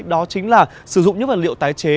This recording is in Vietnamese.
đó chính là sử dụng những vật liệu tái chế